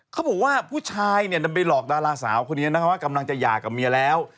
เขาบอกว่าผู้ชายเนี่ยนำไปหลอกดาราสาวคนนี้นะคะว่ากำลังจะหย่ากับเมียแล้ว